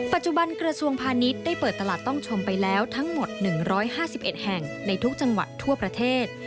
ปัจจุบันกระทรวงพาณิชย์ได้เปิดตลาดต้องชมไปแล้วทั้งหมด๑๕๑แห่งในทุกจังหวัดทั่วประเทศ